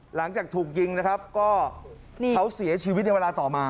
หลังจากถูกยิงนะครับก็เขาเสียชีวิตในเวลาต่อมา